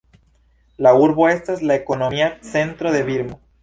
La urbo estas la ekonomia centro de Birmo.